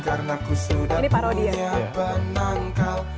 karena aku sudah punya penangkal